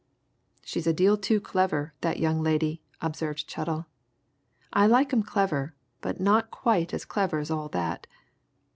"She's a deal too clever, that young lady," observed Chettle. "I like 'em clever, but not quite as clever as all that.